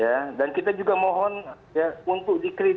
ya dan kita juga mohon ya untuk dikritik